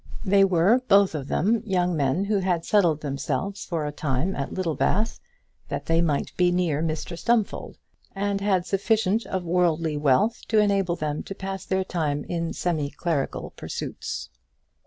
They were, both of them, young men who had settled themselves for a time at Littlebath that they might be near Mr Stumfold, and had sufficient of worldly wealth to enable them to pass their time in semi clerical pursuits.